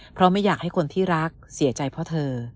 เพราะไม่อยากให้คนที่รักเสียใจเพราะเธอ